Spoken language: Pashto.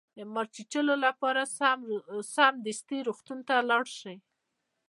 د مار د چیچلو لپاره سمدستي روغتون ته لاړ شئ